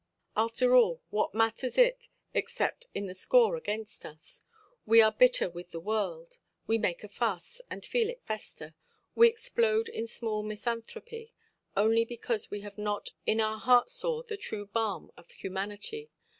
After all, what matters it except in the score against us? We are bitter with the world, we make a fuss, and feel it fester, we explode in small misanthropy, only because we have not in our heart–sore the true balm of humanity.